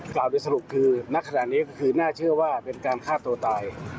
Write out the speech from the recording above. กล่าวในสรุปคือหลักฐานนี้คือน่าเชื่อว่าเป็นฆ่าตัวตาย